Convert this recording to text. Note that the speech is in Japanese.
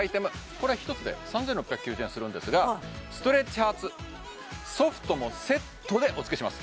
これは１つで３６９０円するんですがストレッチハーツソフトもセットでお付けします